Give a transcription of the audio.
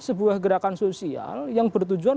sebuah gerakan sosial yang bertujuan